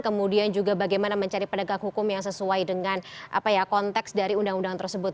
kemudian juga bagaimana mencari penegak hukum yang sesuai dengan konteks dari undang undang tersebut